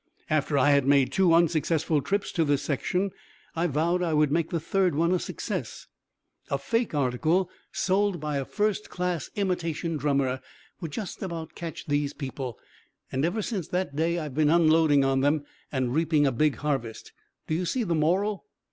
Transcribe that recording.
After I had made two unsuccessful trips to this section, I vowed I would make the third one a success. A fake article sold by a first class imitation drummer would just about catch these people. And ever since that day I have been unloading on them, and reaping a big harvest. Do you see the moral?"